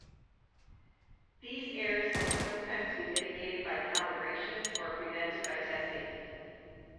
These errors can sometimes be mitigated by calibration, or prevented by testing.